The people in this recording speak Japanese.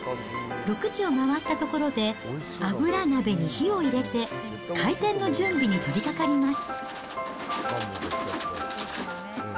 ６時を回ったところで油鍋に火を入れて、開店の準備に取りかかります。